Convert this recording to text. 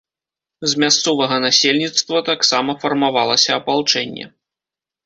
З мясцовага насельніцтва таксама фармавалася апалчэнне.